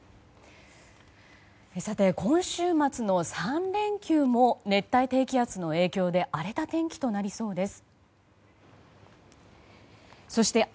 今週末の３連休も熱帯低気圧の影響で荒れた天気となりそうです。